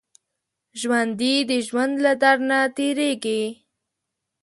ژوندي د ژوند له درد نه تېرېږي